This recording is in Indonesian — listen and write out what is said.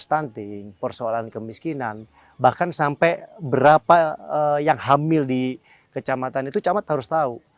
stunting persoalan kemiskinan bahkan sampai berapa yang hamil di kecamatan itu camat harus tahu